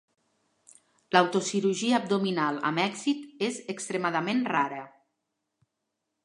L'auto cirurgia abdominal amb èxit és extremadament rara.